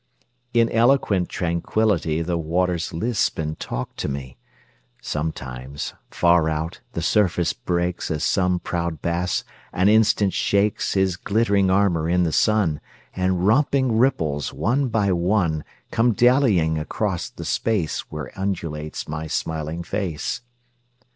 In eloquent tranquility The waters lisp and talk to me. Sometimes, far out, the surface breaks, As some proud bass an instant shakes His glittering armor in the sun, And romping ripples, one by one, Come dallyiong across the space Where undulates my smiling face.